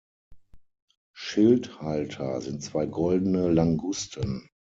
Schildhalter sind zwei goldene Langusten.